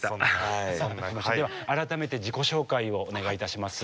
では改めて自己紹介をお願いいたします。